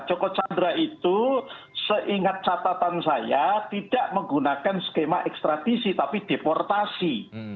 joko chandra itu seingat catatan saya tidak menggunakan skema ekstradisi tapi deportasi